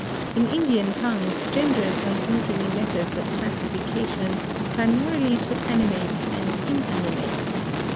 In Indian tongues, genders are usually methods of classification primarily into animate and inanimate.